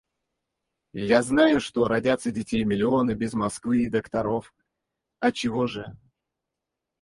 Я знаю, что родятся детей миллионы без Москвы и докторов... отчего же...